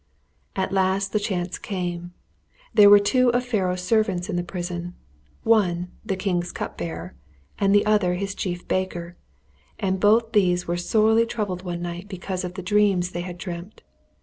At last the chance came. There were two of Pharaoh's servants in the prison one, the king's cup bearer, and the other his chief baker, and both these were sorely troubled one night because of the dreams they had dreamt.